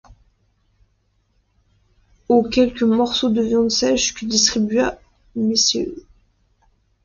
Aux quelques morceaux de viande sèche que distribua Mrs.